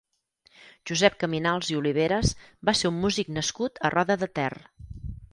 Josep Caminals i Oliveres va ser un músic nascut a Roda de Ter.